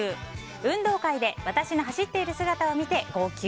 運動会で私の走っている姿を見て号泣。